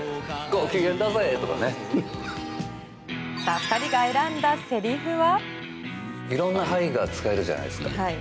２人が選んだセリフは？